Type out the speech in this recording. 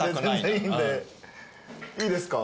いいですか？